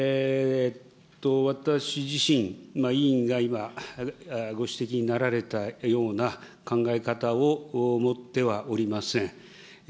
私自身、委員が今、ご指摘になられたような考え方を持ってはおりません。